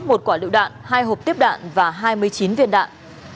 một quả lựu đạn hai hộp tiếp đạn và hai mươi chín viên đạn